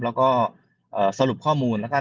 แล้วก็สรุปข้อมูลนะครับ